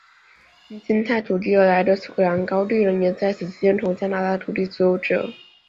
因清拆土地而来的苏格兰高地人也在此期间成为加拿大的土地所有者。